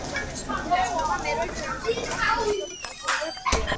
მეცხრე ჯვაროსნული ლაშქრობა, მერვე ჯვაროსნული ლაშქრობით გაგრძელებად თვლიან.